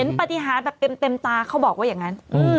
เห็นปฏิหารแต่เป็นเต็มตาเขาบอกว่าอย่างนั้น